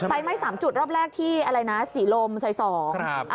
ไฟไหม้๓จุดรอบแรกที่สีโลมสาย๒